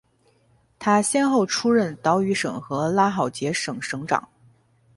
他先后出任岛屿省和拉赫杰省省长。